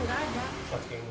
pemerintah indonesia tursilawati